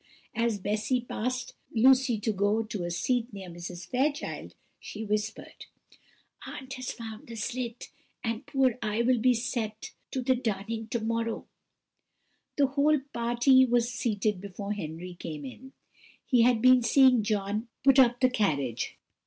As Bessy passed Lucy to go to a seat near Mrs. Fairchild, she whispered: "Aunt has found out the slit, and poor I will be set to the darning to morrow." The whole party were seated before Henry came in; he had been seeing John put up the carriage.